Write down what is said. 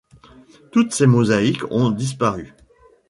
Toutes ces mosaïques ont disparu.